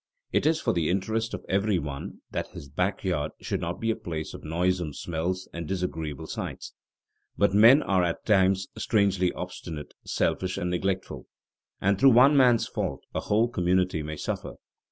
It is for the interest of every one that his back yard should not be a place of noisome smells and disagreeable sights. But men are at times strangely obstinate, selfish, and neglectful, and through one man's fault a whole community may suffer.